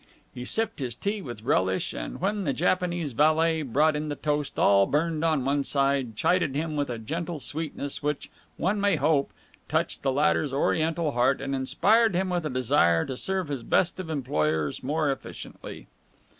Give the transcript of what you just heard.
He sipped his tea with relish, and when the Japanese valet brought in the toast all burned on one side, chided him with a gentle sweetness which, one may hope, touched the latter's Oriental heart and inspired him with a desire to serve his best of employers more efficiently.